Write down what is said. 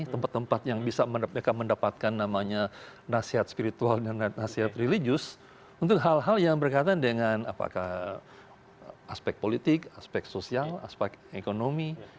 tempat tempat yang bisa mereka mendapatkan namanya nasihat spiritual dan nasihat religius untuk hal hal yang berkaitan dengan apakah aspek politik aspek sosial aspek ekonomi